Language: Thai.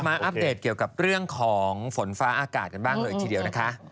อัปเดตเกี่ยวกับเรื่องของฝนฟ้าอากาศกันบ้างเลยทีเดียวนะคะ